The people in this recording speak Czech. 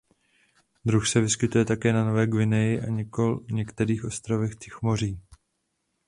Druh se vyskytuje také na Nové Guineji a některých ostrovech Tichomoří.